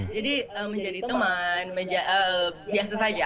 jadi menjadi teman biasa saja